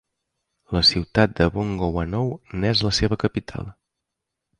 La ciutat de Bongouanou n'és la seva capital.